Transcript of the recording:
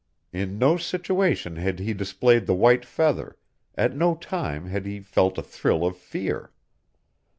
In no situation had he displayed the white feather, at no time had he felt a thrill of fear.